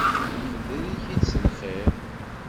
Tebder-ik-id s lxir.